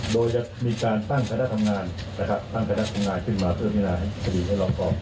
โดยจะมีการตั้งคาดธรรมงานตั้งคาดธรรมงานขึ้นมาเพื่อพินาคดีให้รอบพอ